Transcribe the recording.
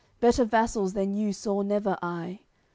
Better vassals than you saw never I.